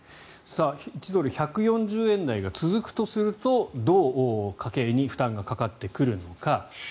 １ドル＝１４０円台が続くとするとどう家計に負担がかかってくるのか。